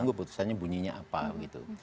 tunggu putusannya bunyinya apa gitu